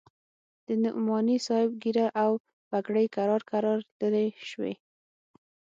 د نعماني صاحب ږيره او پګړۍ کرار کرار لرې سوې.